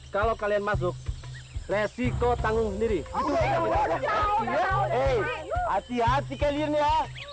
kalau kalian masuk hi bahasiko tangan sendiri athit tasty kalian ya